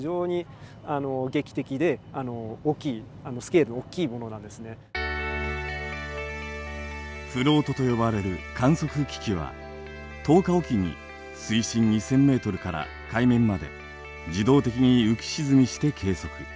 アルゴ計画とはフロートと呼ばれる観測機器は１０日おきに水深２，０００ｍから海面まで自動的に浮き沈みして計測。